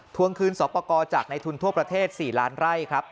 ทวงคืนสอปอกอจากในทุนทั่วประเทศ๔ล้านไร่